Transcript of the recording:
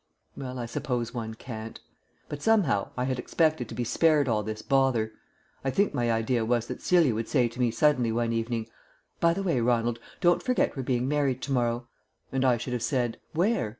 Well, I suppose one can't. But somehow I had expected to be spared all this bother. I think my idea was that Celia would say to me suddenly one evening, "By the way, Ronald, don't forget we're being married to morrow," and I should have said "Where?"